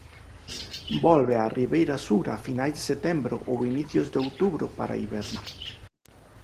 Volve á ribeira sur a finais de setembro ou inicios de outubro para hibernar.